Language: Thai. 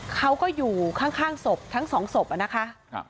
เขาก็อยู่ข้างศพทั้งสองศพอะนะคะ